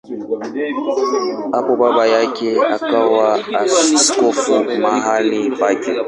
Hapo baba yake akawa askofu mahali pake.